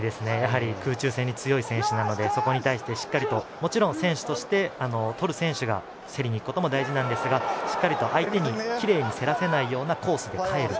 空中戦に強い選手なのでそこに対してしっかりもちろん選手としてとる選手が競りにいくことも大事ですがしっかりと相手にきれいに競らせないようなコースで帰る。